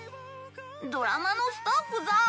ドラマのスタッフさん